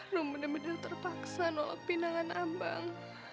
rum benar benar terpaksa nolak pindahan abang